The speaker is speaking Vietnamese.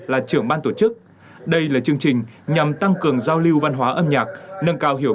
là trưởng ban tổ chức đây là chương trình nhằm tăng cường giao lưu văn hóa âm nhạc nâng cao hiểu